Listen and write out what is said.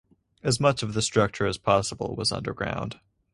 As much of the structure as possible was underground.